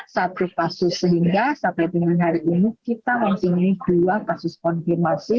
satu kasus sehingga sampai dengan hari ini kita mempunyai dua kasus konfirmasi